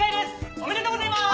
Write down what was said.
おめでとうございます！